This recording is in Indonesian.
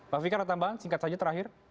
pak fikar ada tambahan singkat saja terakhir